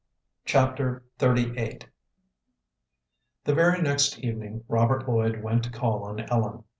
Chapter XXXVIII The very next evening Robert Lloyd went to call on Ellen.